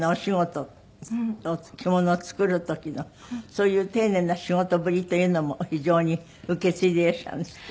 そういう丁寧な仕事ぶりというのも非常に受け継いでいらっしゃるんですって？